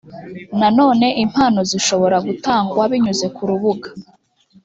nanone impano zishobora gutangwa binyuze ku rubuga